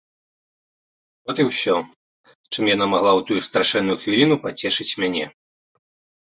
От і ўсё, чым яна магла ў тую страшэнную хвіліну пацешыць мяне.